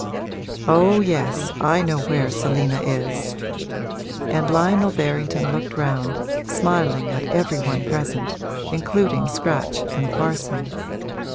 'Oh yes I know where Selina is!' And Lionel Berrington looked round, smiling at every one present, including Scratch and Parson.